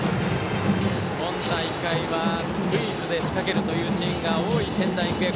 今大会はスクイズで仕掛けるというシーンが多い仙台育英。